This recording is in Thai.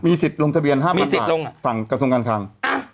มีสิทธิ์ลงทะเบียน๕๐๐๐บาทฝั่งกระทรวงการคลัง